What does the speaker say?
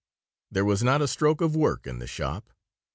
There was not a stroke of work in the shop.